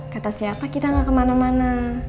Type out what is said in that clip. kata siapa kita gak kemana mana